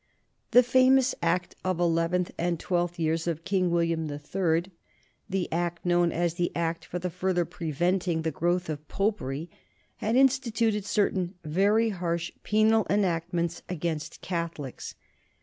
The famous Act of the eleventh and twelfth years of King William the Third, the Act known as the Act for the Further Preventing the Growth of Popery, had instituted certain very harsh penal enactments against Catholics.